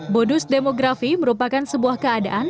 bonus demografi merupakan sebuah keadaan